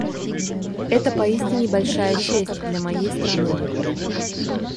Это поистине большая честь для моей страны.